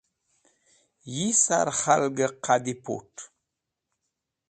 Yi sar k̃halgẽ qadi put̃.